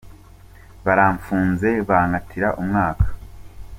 Baramfunze bankatira umwaka.